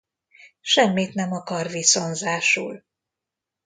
Semmit nem akar viszonzásul.